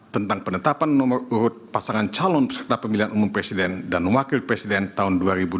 tentang penetapan nomor urut pasangan calon presiden dan wakil presiden tahun dua ribu dua puluh empat